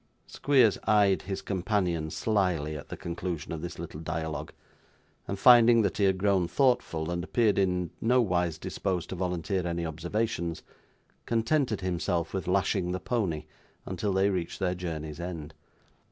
Squeers eyed his companion slyly, at the conclusion of this little dialogue, and finding that he had grown thoughtful and appeared in nowise disposed to volunteer any observations, contented himself with lashing the pony until they reached their journey's end.